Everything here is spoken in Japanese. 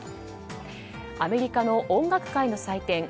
アメリカの音楽界の祭典